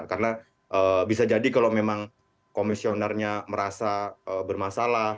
karena bisa jadi kalau memang komisionernya merasa bermasalah